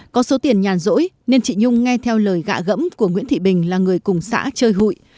có số tiền nhàn rỗi nên chị nhung nghe theo lời gạ gẫm của nguyễn thị bình là người cùng xã chơi hụi